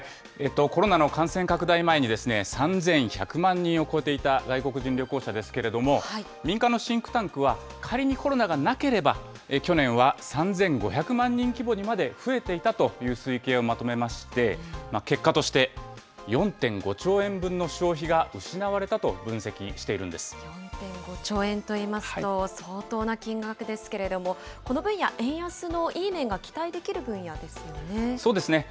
コロナの感染拡大前に、３１００万人を超えていた外国人旅行者ですけれども、民間のシンクタンクは、仮にコロナがなければ、去年は３５００万人規模にまで増えていたという推計をまとめまして、結果として、４．５兆円分の消費が失われたと分析しているん４．５兆円といいますと相当な金額ですけれども、この分野、円安のいい面が期待できる分野でそうですね。